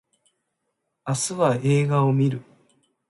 明日は映画を見る